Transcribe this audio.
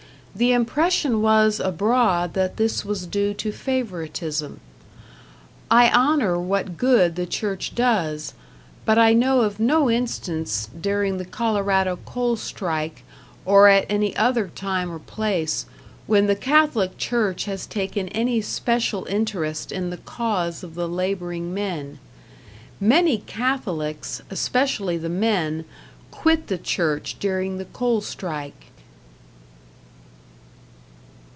The impression was abroad that this was due to favoritism. I honor what good the Church does, but I know of no instance, during the Colorado coal strike or at any other time or place, when the Catholic Church has taken any special interest in the cause of the laboring men. Many Catholics, especially the men, quit the church during the coal strike.